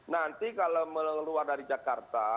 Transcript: nanti kalau keluar dari jakarta